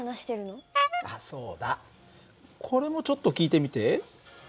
あっそうだこれもちょっと聞いてみて。